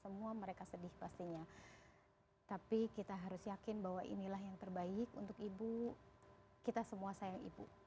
semua mereka sedih pastinya tapi kita harus yakin bahwa inilah yang terbaik untuk ibu kita semua sayang ibu